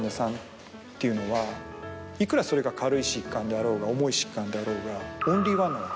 いくらそれが軽い疾患であろうが重い疾患であろうが。